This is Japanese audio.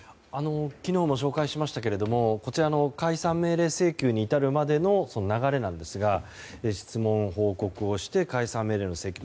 昨日も紹介しましたが解散命令請求に至るまでの流れですが、質問・報告をして解散命令の請求。